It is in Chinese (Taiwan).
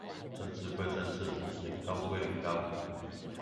政治歸政治，苓膏龜苓膏